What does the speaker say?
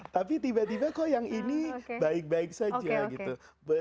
tapi tiba tiba kok yang ini baik baik saja gitu